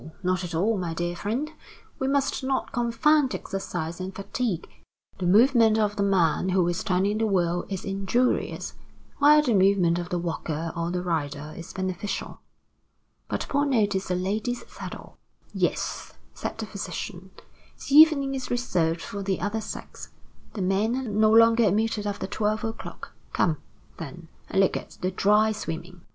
not at all, my dear friend. We must not confound exercise and fatigue. The movement of the man who is turning the wheel is injurious, while the movement of the walker or the rider is beneficial." But Paul noticed a lady's saddle. "Yes," said the physician; "the evening is reserved for the other sex. The men are no longer admitted after twelve o'clock. Come, then, and look at the dry swimming."